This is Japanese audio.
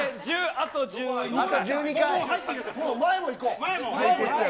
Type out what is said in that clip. あと１２回。